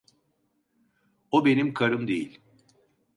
O benim karım değil.